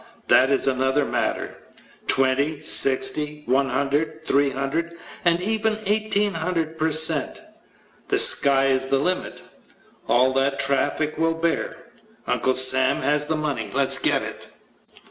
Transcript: that is another matter twenty, sixty, one hundred, three hundred, and even eighteen hundred per cent the sky is the limit. All that traffic will bear. Uncle Sam has the money. Let's get it.